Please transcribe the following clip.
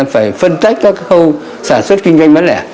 phải phân tách các khâu sản xuất kinh doanh bán lẻ